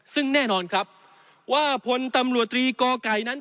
ซึ่งแน่นอนครับว่าพลตำรวจตรีกอไก่นั้น